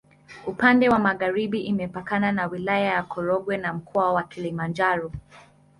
Upande wa magharibi imepakana na Wilaya ya Korogwe na Mkoa wa Kilimanjaro.